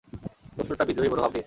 প্রশ্নটা বিদ্রোহী মনোভাব নিয়ে।